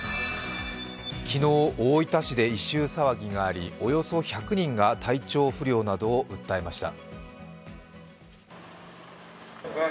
昨日大分市で異臭騒ぎがありおよそ１００人が体調不良などを訴えました。